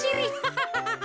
ハハハハ！